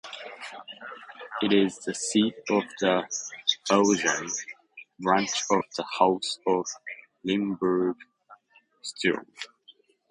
It is the seat of the Belgian branch of the House of Limburg-Stirum.